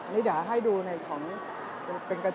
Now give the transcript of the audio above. เดี๋ยวจะให้ดูว่าค่ายมิซูบิชิเป็นอะไรนะคะ